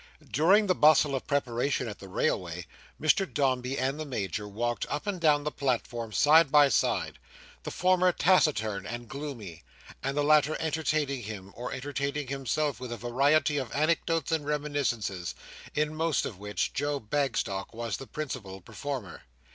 During the bustle of preparation at the railway, Mr Dombey and the Major walked up and down the platform side by side; the former taciturn and gloomy, and the latter entertaining him, or entertaining himself, with a variety of anecdotes and reminiscences, in most of which Joe Bagstock was the principal performer.